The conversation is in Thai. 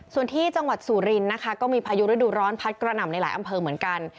ส่วนที่จังหวัดสุรินทร์นะคะก็มีพายุฤดูร้อนพัดกระหน่ำในหลายอำเภอเหมือนกัน